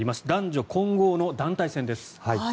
男女混合の団体戦です。